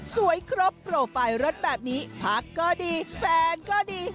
ครบโปรไฟล์รถแบบนี้พักก็ดีแฟนก็ดี